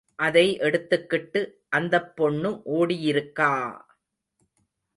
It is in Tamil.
அதை எடுத்துகிட்டு அந்தப் பொண்ணு ஓடியிருக்கா!